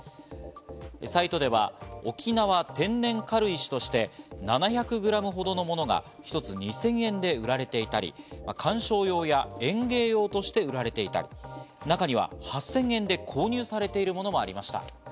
サイトでは沖縄天然軽石として７００ｇほどのものが一つ２０００円で売られていたり観賞用や園芸用として売られていたり、中には８０００円で購入されているものもありました。